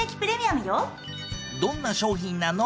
どんな商品なの？